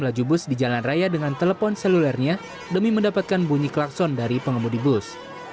laju bus di jalan raya dengan telepon selulernya demi mendapatkan bunyi klakson dari pengemudi bus